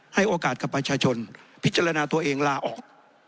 ให้โอกาสกับประชาชนพิจารณาตัวเองลาออก